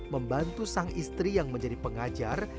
membantu sang istri yang menjadi pengajar